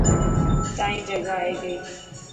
تائن جگا آئي گئي.